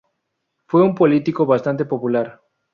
Fue un político bastante popular.